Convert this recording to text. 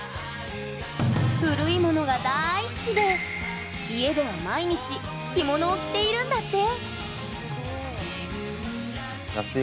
古いものが大好きで、家では毎日着物を着ているんだって。